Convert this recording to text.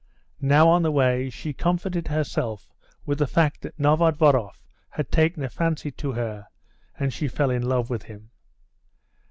Now on the way she comforted herself with the fact that Novodvoroff had taken a fancy to her, and she fell in love with him.